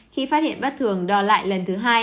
khi phát hiện bất thường đo lại lần thứ hai